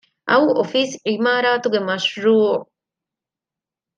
އައު އޮފީސް ޢިމާރާތުގެ މަޝްރޫޢު